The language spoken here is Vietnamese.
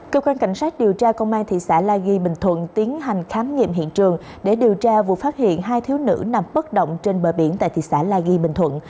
cơ quan cảnh sát điều tra công an thị xã la ghi bình thuận tiến hành khám nghiệm hiện trường để điều tra vụ phát hiện hai thiếu nữ nằm bất động trên bờ biển tại thị xã la ghi bình thuận